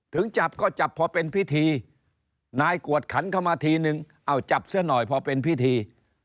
ถึงจับก็จับพอเป็นพิธีนายกวดขันเข้ามาทีนึงเอาจับซะหน่อยพอเป็นพิธี